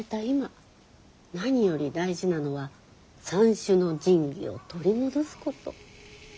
今何より大事なのは三種の神器を取り戻すこと。